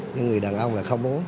nhưng người đàn ông là không muốn